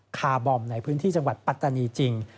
คาร์บอมในพื้นที่จังหวัดปัตตานีจริง